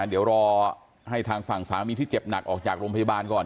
เดี๋ยวรอให้ทางฝั่งสามีที่เจ็บหนักออกจากโรงพยาบาลก่อน